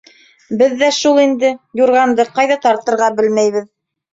Беҙ ҙә шул инде: юрғанды ҡайҙа тартырға белмәйбеҙ.